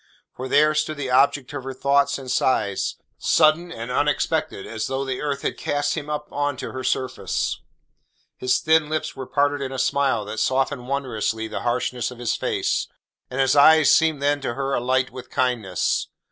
For there stood the object of her thoughts and sighs, sudden and unexpected, as though the earth had cast him up on to her surface. His thin lips were parted in a smile that softened wondrously the harshness of his face, and his eyes seemed then to her alight with kindness.